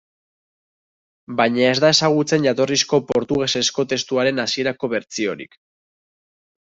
Baina ez da ezagutzen jatorrizko portugesezko testuaren hasierako bertsiorik.